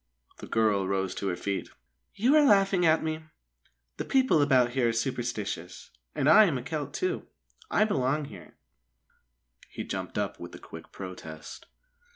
The girl rose to her feet. "You are laughing at me. The people about here are superstitious, and I am a Celt, too. I belong here." He jumped up with a quick protest.